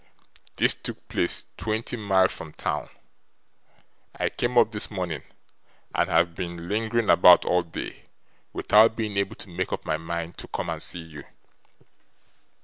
This took place twenty mile from town. I came up this morning, and have being lingering about all day, without being able to make up my mind to come and see you.